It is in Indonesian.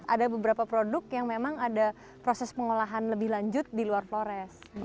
ada beberapa produk yang memang ada proses pengolahan lebih lanjut di luar flores